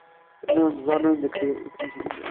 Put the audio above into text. Llan ttẓallan deg tmesgida.